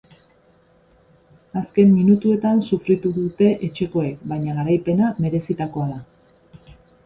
Azken minutuetan sufritu dute etxekoek, baina garaipena merezitakoa da.